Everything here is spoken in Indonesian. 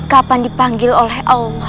kapan dipanggil oleh allah